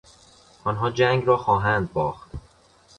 آنها جنگ را خواهند باخت.